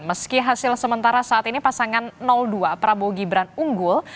meski hasil sementara saat ini pasangan dua prabowo gibran unggul